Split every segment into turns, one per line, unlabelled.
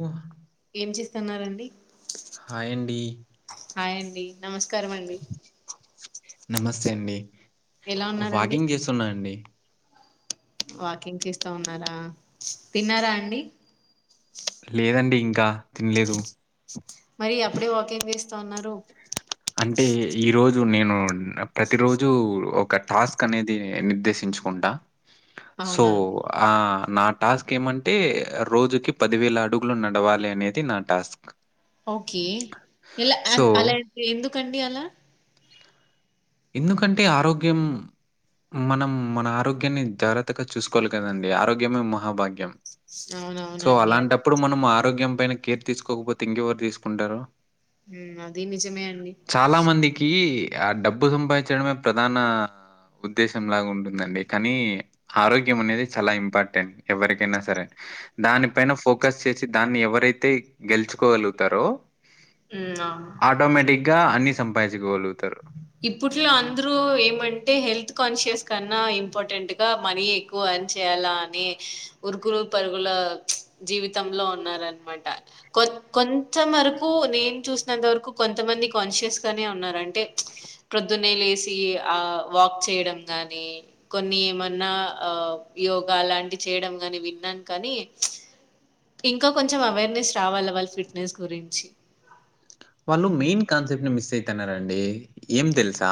ఓ
ఏం చేస్తున్నారండి.
హాయ్ అండి.
హాయ్ అండి, నమస్కారం అండి.
నమస్తే అండి
ఎలా ఉన్నారండి
వాకింగ్ చేస్తున్నా అండి.
వాకింగ్ చేస్తా ఉన్నారా? తిన్నారా అండి.
లేదండి ఇంకా లేదు.
మరి అప్పుడే వాకింగ్ చేస్తున్నారు.
అంటే ఈ రోజు నేను ప్రతి రోజు ఒక టాస్క్ అనేది నిర్దేశించుకుంటా సో
అవునా అండి
ఆ నా టాస్క్ ఏమంటే రోజుకి పదివేల అడుగులు నడవాలి అనేది నా టాస్క్
ఓకే ఎలా ఆ
సో,
అలా ఎందుకండి అలా
ఎందుకంటే ఆరోగ్యం మనం మన ఆరోగ్యాన్ని జాగ్రత్త గా చూసుకోవాలి కదండి ఆరోగ్యమే మహాభాగ్య ముఖ్యం సో
అవునవునండి అది
అలాంటప్పుడు మనం ఆరోగ్యం పైన కేర్ తీసుకోకపోతే ఇంగేవరు తీసుకుంటారు
మ్మ్ అది నిజమే అండి
చాలా మందికి ఆ డబ్బు సంపాదించడమే ప్రధాన ఉద్దేశం లాగా ఉంటుందండి కానీ ఆరోగ్యం అనేది చాలా ఇంపార్టెంట్ ఎవరికైనా సరే దానిపైన ఫోకస్ చేసి దాన్ని ఎవరైతే గెలుచుకోగలుగుతారో
ఉ అవును
ఆటోమేటిక్ గా అన్ని సంపాదించుకోగలుగుతారు
ఇప్పుట్లో అందరు ఏమంటే హెల్త్ కాన్షియస్ కన్నా ఇంపార్టెంట్ గా మనీ ఎక్కువ అని చె ఎలా అని ఉరుకులు పరుగుల జీవితంలో ఉన్నారనమాట కొత్ కొంత వరకు నేను చూసినంత వరకు కొంతమంది కాన్షియస్ గానే ఉన్నారు అంటే ప్రొద్దున్నే లేసి ఆ వాక్ చేయడం గాని కొన్ని ఏమన్నా ఆ యోగా అలాంటి చేయడం గాని విన్నాను కానీ ఇంకా కొంచెం అవేర్నెస్ రావాల వాళ్ళ ఫిట్నెస్ గురించి
వాళ్ళు మెయిన్ కాన్సెప్ట్ ని మిస్ అయితున్నారండి ఏం తెలుసా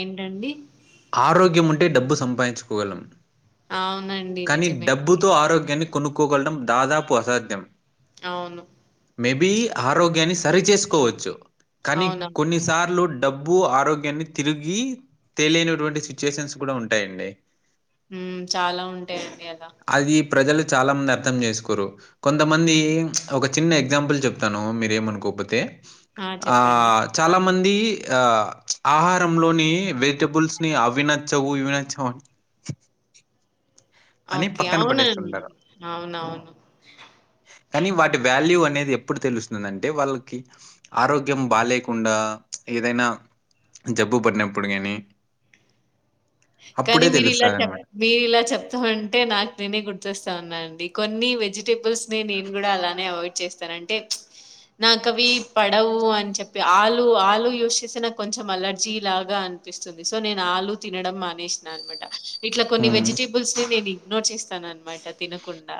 ఏంటండి
ఆరోగ్యముంటే డబ్బు సంపాదించుకోగలం
అవునండి
కానీ
నిజమే
డబ్బుతో ఆరోగ్యాన్ని కొనుక్కోగలడం దాదాపు అసాధ్యం
ఆవును
మేబి ఆరోగ్యాన్ని సరిచేసుకోవచ్చు కానీ
అవునవును.
కొన్నిసార్లు డబ్బు ఆరోగ్యాన్ని తిరిగి తేలినటువంటి సిచ్యుయేషన్స్ కూడా ఉంటాయండి
మ్మ్ చాలా ఉంటాయండి అలా
అది ప్రజలు చాలా మంది అర్థం చేసుకోరు కొంతమంది ఒక చిన్న ఎగ్జాంపుల్ చెప్తాను మీరు ఏమను కో కొపొతే ఆ చాలా మంది ఆ ఆహారంలోని వెజిటబుల్స్ ని అవి నచ్చవు ఇవి నచ్చవు అని అని
ఓకే
పక్కన
అవునండి
పడేస్తుంటారు.
అవునవును
కానీ వాటి వ్యాల్యూ అనేది ఎప్పుడు తెలుస్తుందంటే వాళ్ళకి ఆరోగ్యం బా లేకుండా ఏదైనా జబ్బు పడినప్పుడు కానీ
కనీ మీరు ఇలా చెప్ మీరు ఇలా చెప్తా ఉంట్ టే నాకు నేనే గుర్తొస్తాన్నానండి కొన్ని వెజిటేబుల్స్ ని నేను కూడా అలానే అవాయిడ్ చేస్తాను అంటే నాకు అవి పడవు అని చెప్పి ఆలు ఆలు యూజ్ చేస్తే నాకు కొంచెం అలర్జీ లాగా అన్ అనిపిస్తుంది సో నేను ఆలు తినడం మా మానేసిన అనమాట ఇట్లా కొన్ని
హ్మ్.
వెజిటేబుల్స్ ని నేను ఇగ్నోర్ చేస్తాననమాట తినకుండా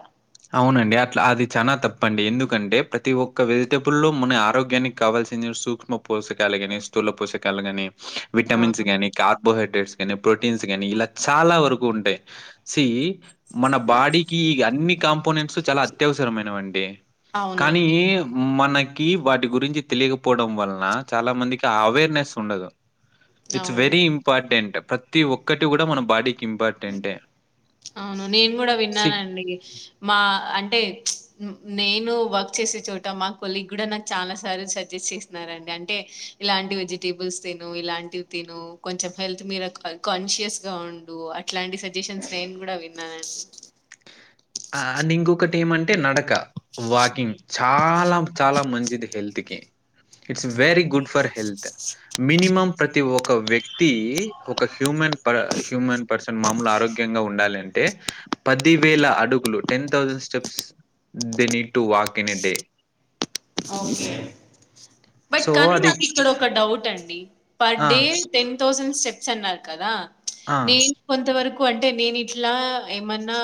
అవునండి అట్లా అది చానా తప్పండి ఎందుకంటే ప్రతి ఒక్క వెజిటబుల్ లో మన ఆరోగ్యానికి కావాల్ సూక్ష్ పోషకాలుగాని స్థూల పోషకాలు గానీ
ఆ!
విటమిన్స్ గానీ కార్బోహైడ్రేట్స్ కానీ ప్రోటీన్స్ కానీ ఇలా చాలా వరకు ఉంటాయి సి మన బాడీకి అన్ని కంపోనెంట్స్ చాలా అత్యవసరమైన అండి కానీ
అవునండి.
మన కి వాటి గురించి తెలియకపోవడం వల్ల చాలా మందికి ఆ అవేర్నెస్ ఉండదు ఇట్స్
అవును.
వెరీ ఇంపార్టెంట్ ప్రతి ఒక్కటి కూడా మన బాడీ
అవును నేను కూడా
సి
విన్నానండి మా అంటే నేను వర్క్ చేసే చోట మా కొలిగ్ కూడా నాకు చాలా సార్లు సజెస్ట్ చేసినారండి అంటే ఇలాంటి వెజిటేబుల్స్ తిను ఇలాంటివి తిను కొంచెం హెల్త్ మీద కాన్షియస్ గా ఉండు అట్లాంటి సజెషన్స్ నేను కూడా విన్నానండి
ఆ నింగ్ ఒకద్ ఏమంటే నడక వాకింగ్ చాలా చాలా మంచిది హెల్త్ కి ఇట్స్
ఆ!
Very good for health minimum ప్రతి ఒక వ్యక్తి ఒక హ్యూమన్ ప హ్యూమన్ పర్సన్ మాములు ఆరోగ్యంగా ఉండాలంటే పది వేల అడు ten thousand steps they need to walk in a day
okay but
so
కానీ
అది
నాకు ఇక్కడ ఒక డౌట్ అండి పర్
ఆ!
డే టెన్ థౌసండ్ స్టెప్స్ అన్నారు కదా
ఆ!
నేన్ కొంతవరకు అంటే నేను ఇట్లా ఏమన్నా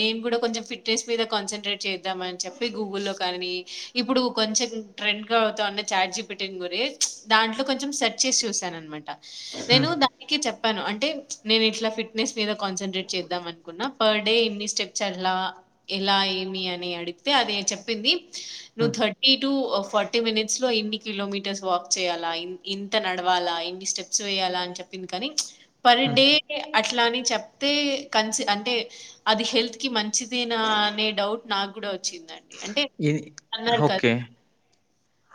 నేన్ గుడ కొంచెం ఫిట్నెస్ మీద కాన్సన్ట్రేట్ చేద్దామని గూగుల్లో కాని ఇప్పుడు కొంచెం ట్రెండ్ గా అవుత ఉన్న ఛాట్ జిపిటింగ్ గురి దాంట్లో కొంచెం సెర్చ్ చేసి చూసాను అన్మాట. నేను
హ్మ్.
దానికి చెప్పాను అంటే నేను ఇట్లా ఫిట్నెస్ మీద కాన్సన్ట్రేట్ చేద్దాం అనుకున్నా పర్ డే ఎన్ని స్టెప్స్ అలా ఎలా ఏమి అని అడిగితే అది చెప్పింది ను
హ్మ్.
థర్టీ టూ ఫార్టీ మినిట్స్ లో ఇన్ని కిలోమీటర్స్ వాక్ చేయాలా ఇంత నడవాలా ఇన్ని స్టెప్స్ వేయాలా అని చెప్ప్ కానీ
హ్మ్.
పర్డే అట్ల్ అని చెప్తే క అంటే అది హెల్త్ కి మంచిదేనా అనే డౌట్ నాగ్గూడ చ్చిందండి అంటే అన్నారు
ఓకే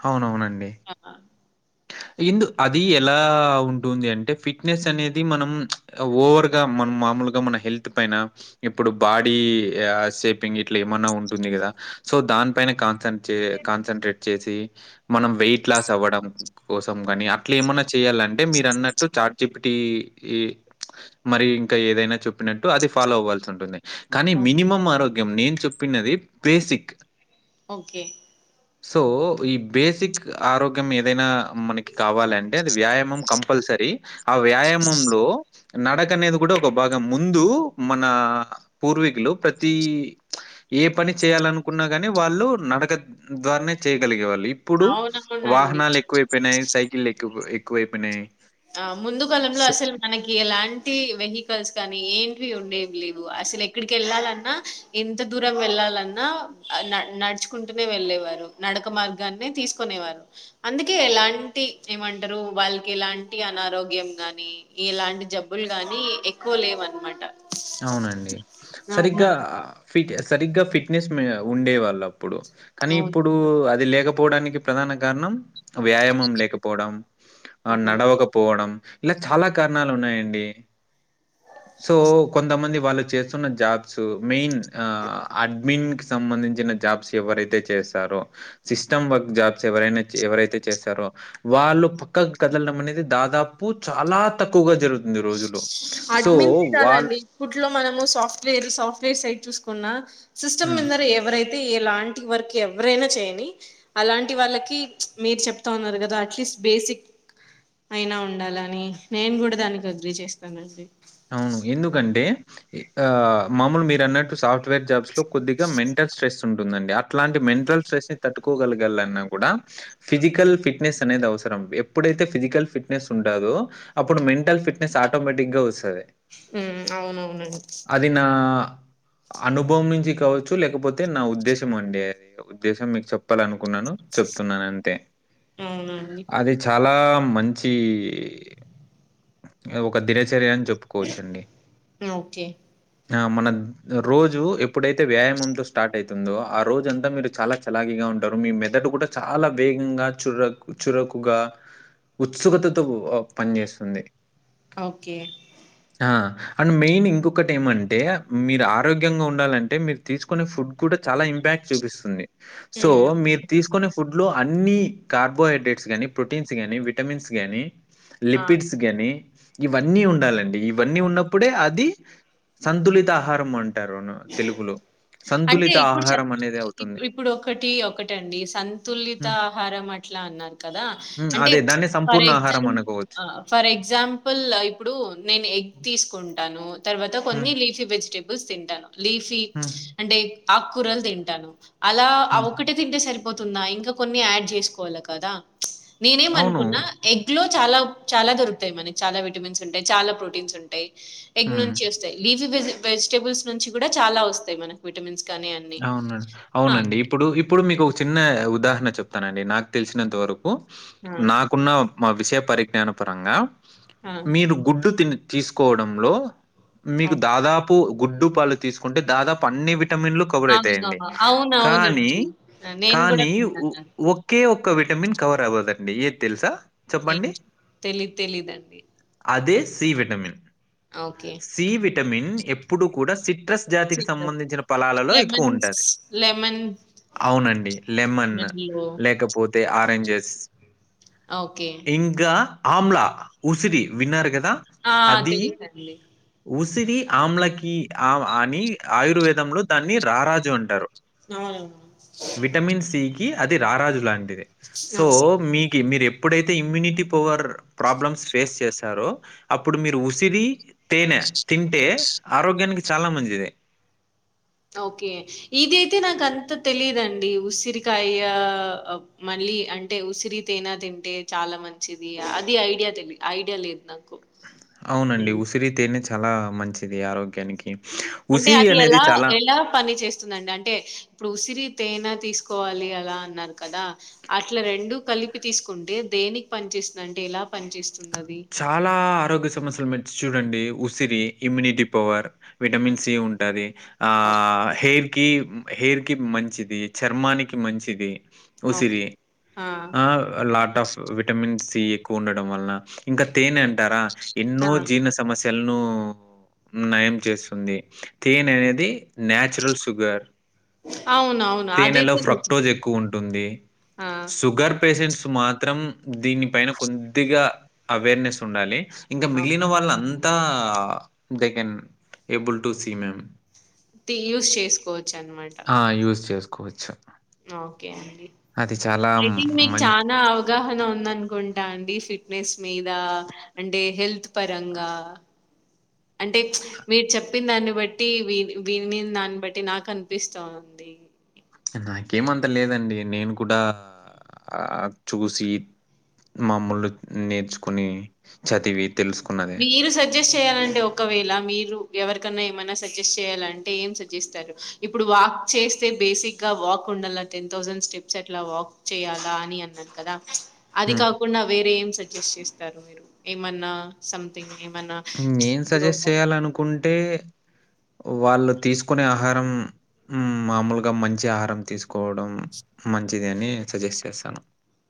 అవునవునండ్
అహ
ఇంద్ అది ఎలా ఉంటుంది అంటే ఫిట్నెస్ అనేది మనం ఓవర్గా మన ములుగా మన హెల్త్ పైన ఇప్పుడు బాడీ సేపింగ్ ఇట్ల ఏమన్నా ఉంటుంది గదా దాని పైన కాన్సన్ చే కాన్సన్ంట్రేట్ చేసి మనం వెయిట్ లాస్ అవ్వడం కోసం గని అట్లేమన్నా చెయ్యాలంటే మీరన్నట్టు చాట్ జి పి టి ఈ మరి ఇంక ఏదైనా చెప్పినట్టు అది ఫాలో అవ్వాల్సి ఉంటుంది కానీ మినిమం ఆరోగ్యం నేను చెప్పినది బేసిక్
ఓకే
సో ఈ బేసిక్ ఆరోగ్యం ఏదైనా మనకి కావాలంటే అది వ్యాయామం కంపల్సరీ ఆ వ్యాయామంలో నడక అనేది గూడా ఒక భాగం ముందు మన పూర్వీకులు ప్రతి ఏ పని చేయాలనుకున్నా గాని వాళ్ళు నడక ద్వారానే చెయ్యగలిగే వాళ్ళు ఇప్పుడు
అవునవునండి.
వాహనాలు ఎక్కువైపోయినాయి సైకిల్లు ఎక్కువ ఎక్కువైపోయినాయి
ఆ ముందు కాలంలో
సో
అసలు మనకి ఎలాంటి వెహికల్స్ కానీ ఏం ఉండేవి లేవు అసలు ఎక్కడికి ఎళ్ళాలన్నా ఎంత దూరం వెళ్ళాలన్నా నడుచుకుంటూనే వెళ్ళేవారు నడక మార్గాన్ని తీసుకునేవారు అందుకే ఎలాంటి ఏమంటరు వాల్కెలాన్ అనారోగ్యం గాని ఇలాంటి జబ్బులు గాని ఎక్కువ లేవ్నమాట
అవునండి సరిగ్గా ఫిట్ సరిగ్గా ఫిట్నెస్ ఉండే వాళ్ళం ఇప్పుడు కానీ
అవును
ఇప్పుడు అది లేకపోవడానికి ప్రధాన కారణం వ్యాయామం లేకపోవడం ఆ
అవును
నడవకపోవడం ఇలా చాలా కారణాలు ఉన్నాయండి సో మంది వాళ్ళు చేస్తున్న జాబ్స్ మెయిన్ అడ్మిన్ కి సంబంధించిన జాబ్స్ ఎవరైతే చేస్తారో సిస్టమ్ వర్క్ జాబ్స్ ఎవరైన ఎవరైతే చేస్తారో వాళ్ళు పక్కక్ కదల్ అనేది దాదాపు చాలా తక్కువగా జరుగుతుంది రోజులు
అడ్మిన్సే గాదండి ఇప్పుట్లో మనము సాఫ్ట్వేర్ సాఫ్ట్వేర్ సైట్ చూసుకున్నా సిస్టమ్
హ్మ్.
మిందర ఎవరై ఎలాంటి వర్క్ ఎవరైనా చేయని అలాంటి వాళ్ళకి మీరు చెప్తా ఉన్నారు కదా అట్లీస్ట్ బేసిక్ అయినా ఉండాలని నేను గూడ దానికి అగ్రీ చేస్తానండి
ఆ మామూలు మీరు అన్నట్టు సాఫ్ట్వేర్ జాబ్స్ లో కొద్దిగా మెంటల్ స్ట్రెస్ ఉంటుందండి అట్లాంటి మెంటల్ స్ట్రెస్ని తట్టుకో గలగాలన్నా గుడా ఫిజికల్ ఫిట్నెస్ అనేది అవసరం ఎప్పుడైతే ఫిజి ఫిజికల్ ఫిట్నెస్ ఉంటాదో అప్పుడు మెంటల్ ఫిట్నెస్ ఆటోమేటిక్ గా
ఉమ్ అవునవునం
అది నా అనుభవం నుంచి కావచ్చు లేకపోతే నా ఉద్దేశం అండి అది ఉద్దేశం మీకు చెప్పాలనుకు కున్నాను చెప్తున్నాను అంతే
అవునండి
అది చాలా మంచి ఒక దినచర్య చెప్పుకోవచ్చండి
ఓకే
ఆ మన రోజు ఎప్పుడైతే వ్యాయామంతో స్టార్ట్ అవుతుందో ఆ రోజ అంతా మీరు చాలా చలాగిగా ఉంటారు మీ మెదడు కూడా చాలా వేగంగా చురకు చురుకుగా ఉత్సుకతతో పనిచేస్తుంది
ఓకే
ఆ! అండ్ మెయిన్ ఇంకొకటి ఏమంటే మీరు ఆరోగ్యంగా ఉండాలంటే మీరు తీసుకునే ఫుడ్ కూడా చాలా ఇంప్యాక్ చూపిస్తుంది సో
ఉమ్
మీరు తీసుకునే ఫుడ్ లో అన్ని కార్బోహైడ్రేట్స్ గానీ ప్రోటీన్స్ గానీ విటమిన్స్ గానీ
ఆ
లిపిడ్స్ ని ఇవన్నీ ఉండాలండి ఇవన్నీ ఉన్నప్పుడే అది సంతులిత ఆహారం అంటు టారు తెలుగులో
అంటే
సంతులిత
ఇప్పుడు చ
ఆహారం అనేది అవుతుంది.
ఇప్పుడు ఒకటి ఒకటండి సంతులిత
హ్మ్.
ఆహారం అట్లా అట్లా అన్నారు కదా
హ్మ్.
అంటే
అదే దాన్ని
ఫర్
సంపూర్ణ ఆహారం
ఎగ్జాంపుల్
అనుకోవచ్చు.
ఫర్ ఎగ్జాంపుల్ ఇప్పుడు నేను ఎగ్ తీసుకుంటాను తర్వాత కొన్ని
హ్మ్.
లీఫీ వెజిటేబుల్ బుల్స్ తింటాను లీఫీ
హ్మ్.
అంటే ఆకూరలు తింటాను అలా ఆ
హ్మ్.
ఒకటే తింటే సరి పోతుందా ఇంక కొన్ని ఆడ్ చేసుకోవాలా కదా నేను ఏమ్
అవును.
అనుకున్న ఎగ్ లో చాలా చాలా దొరుకుతాయి మనకి చాలా విటమిన్స్ ఉంటాయి చాలా ప్రోటీన్స్ ఉంటాయి ఎగ్
హ్మ్.
నుంచి వస్తాయి లీఫీ వె వెజిటబుల్స్ నుంచి కూడా చాలా వస్తాయి మనకు విటమిన్స్ కానీ అన్నీ.
అవునడి
ఆ!
అవునండి ఇప్పుడు ఇప్పుడు మీకు ఒక చిన్న ఉదాహరణ హరణ చెప్తానండి నాకు తెలిసినంత వరకు
ఆ!
నాకున్న మా విషయ పరిజ్ఞాన పరంగా
ఆ!
మీరు గుడ్డు తి తీసుకోవడంలో మీకు
అవును.
దాదాపు గుడ్డు పాలు తీసుకుంటే దాదాపు అన్ని విటమిన్లు కవర్ అవుతాయండి
అవును.
కానీ
అవునవునండి. ఆ! నేను గూడా
కానీ
విన్నాను.
ఒకే ఒ విటమిన్ కవర్ అవ్వదండి ఏ తెలుసా
ఏం
చెప్పండి.
తెలీదు తెలీదండి
అదే C vitamin
okay.
C vitamin ఎప్పుడు కూడా సిట్రస్ జాతికి
సిట్రస్
సంబంధించిన ఫలాలలో ఎక్కువుంటది.
[unintelligible] లెమన్స్
అవునండి లెమన్
లెమన్‌లో
లేకపోతే ఆరెంజెస్
ఓకే.
ఇంకా ఆమ్లా ఉసిరి విన్నారుగదా
ఆ తెలుసండి
ఉసిరి ఆమ్లకి ఆ అని ఆయుర్వేదంలో దాన్ని రారాజు అంటారు
అవున
కి అది రారాజు లాంటిది సో
ఓకే.
మీ మీరు ఎప్పుడైతే ఇమ్యూనిటీ పవర్ ప్రాబ్లమ్స్ ఫేస్ చేశారొ అప్పుడు మీరు ఉసిరి తేనె తింటే ఆరోగ్యానికి చాలా మంచిది
ఓకే ఇదియితే నాకు అంత తెలిదండి ఉసిరికాయ మళ్ ళ్ళి అంటే ఉసిరి తేనా తింటే చాలా మంచిది అది ఐడియా తెలి ఐడియా లేదు నాకు
అవునండి
హ్మ్.
ఉసిరితేేనె చాలా మంచిది ఆరోగ్య
అంటే అది ఎలా ఎలా పని చేస్తుందండి అంటే ఇప్పుడు ఉసిరి తేనె తీసుకోవాలి అలా అన్నారు కదా అట్లా రెండు కలిపి తీసుకుంటే దేనికి పని చేస్తుందంటే ఎలా పని చేస్తుంది
చాలా ఆరోగ్య సమస్యలు మంచిదండి ఉసిరి ఇమ్యూనిటీ పవర్ విటమిన్
హ్మ్.
సి ఉంటుది ఆ
ఓకే.
హెయిర్ కి హెయిర్ కి మంచిది చర్మానికి మంచిది
ఓకే.
ఉసిరి ఆ లాట్ ఆఫ్ విటమిన్ సి ఎక్కువ ఉండడం వల్ల ఇంకా తేనె అంటారా ఎన్నో
ఆ!
జీర్ణ సమస్యలను నయం చేస్తుంది తేన అనేది నాచురల్ షుగర్
అవునవును.
తేనెలో
అదైతే
ఫ్రక్టోజ్
నిజమే.
ఎక్కువ ఉంటుంది
ఆ!
షుగర్ పేషెంట్స్ మాత్రం దీనిపైన కొద్దిగా అవేర్నెస్ ఉండాలి ఇంకా మిగిలిన
ఓకే.
వాళ్ళ అంతా they can able to see ma'am
the use చేసుకో
ఆ యూజ్ చేసుకోవచ్చు
ఓకే అండి
అది చాలా
ఐథింక్ మీకు
మం
చనా అవగాహన ఉందనుకుంటే టా అండి ఫిట్నెస్ మీద అంటే హెల్త్ పరంగా అంటే మీరు చెప్పిన దాన్ని బట్టి వి విని దాన్ని బట్టి నాకు అనిపిస్తా ఉంది
నాకేమంతా లేదండి నేను కూడా ఆ చూసి మామూలు నేర్చుకుని చదివి తెలుసుకున్నదే.
మీరు సజ్జెస్ చేయాలంటే ఒకవేళ మీరు ఎవరికన్నా ఏమైన్నా సజెస్ట్ చేయాలంటే ఏం సజిస్తారు ఇప్పుడు వాక్ వాక్ చేస్తే బేసిక్ గా వాక్ ఉండాల టెన్ థౌసండ్ స్టెప్స్ అట్లా వాక్ చేయాలా అని అన్నాను కదా అది
హ్మ్.
కాకుండా వేరే ఏం సజెస్ట్ చేస్తారు మీరు ఏమన్నా సంథింగ్ ఏమన్నా
నేను సజెస్ట్ చేయాలనుకుంటే వాళ్ళు తీసుకునే ఆహారం హు మామూలుగా మంచి ఆహారం తీసుకోవడం మంచిది అని సజెస్ట్ చేస్తాను